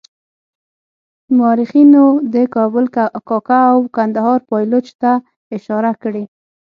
مورخینو د کابل کاکه او کندهار پایلوچ ته اشاره کړې.